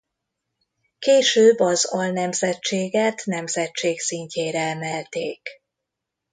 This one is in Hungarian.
Később az alnemzetséget nemzetség szintjére emelték.